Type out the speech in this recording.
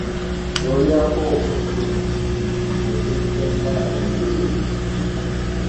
Ky'olyako omuddu, kye kimuseenya enviiri.